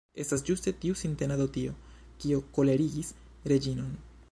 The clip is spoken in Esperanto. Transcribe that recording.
Estas ĝuste tiu sintenado tio, kio kolerigis Reĝinon.